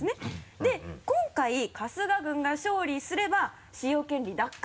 で今回春日軍が勝利すれば使用権利奪還。